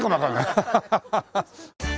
ハハハハッ。